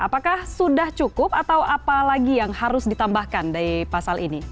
apakah sudah cukup atau apa lagi yang harus ditambahkan dari pasal ini